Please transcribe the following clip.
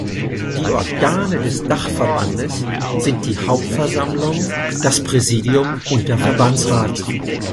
Die Organe des Dachverbandes sind die Hauptversammlung, das Präsidium und der Verbandsrat.